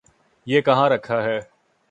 یہ کہاں رکھا ہے؟